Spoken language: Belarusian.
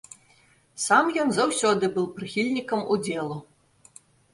Сам ён заўсёды быў прыхільнікам удзелу.